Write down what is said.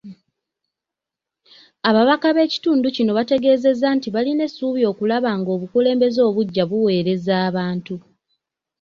Ababaka b’ekitundu kino baategeezezza nti balina essuubi okulaba ng’obukulembeze obuggya buweereza abantu.